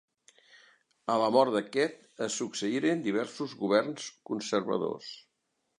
A la mort d'aquest se succeïren diversos governs conservadors.